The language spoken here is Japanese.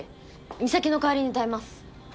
美咲の代わりに歌います。